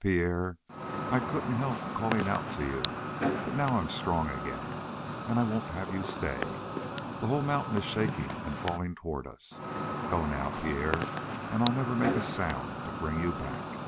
"Pierre I couldn't help calling out for you; but now I'm strong again, and I won't have you stay. The whole mountain is shaking and falling toward us. Go now, Pierre, and I'll never make a sound to bring you back."